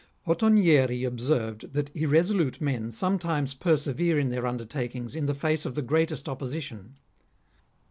Ottonieei observed that irresolute men sometimes per severe in their undertakings in the face of the greatest opposition.